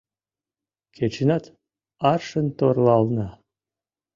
Кечынат аршын торлална.